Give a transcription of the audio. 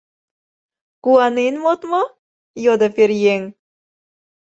— Куанен модмо? — йодо пӧръеҥ.